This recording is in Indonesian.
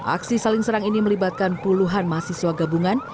aksi saling serang ini melibatkan puluhan mahasiswa gabungan